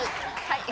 「はい」。